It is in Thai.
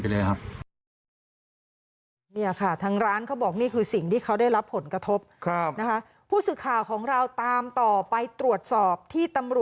แล้วก็ทำให้แบบมันกระชบกากรายได้เรา